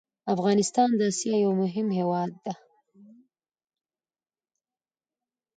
افغانستان د اسيا يو مهم هېواد ده